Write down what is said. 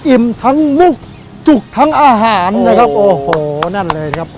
ทั้งมุกจุกทั้งอาหารนะครับโอ้โหนั่นเลยครับ